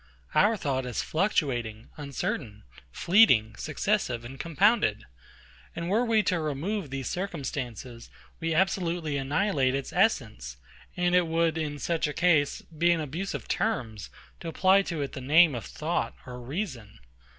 Our thought is fluctuating, uncertain, fleeting, successive, and compounded; and were we to remove these circumstances, we absolutely annihilate its essence, and it would in such a case be an abuse of terms to apply to it the name of thought or reason.